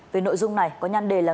về nội dung này có nhăn đề là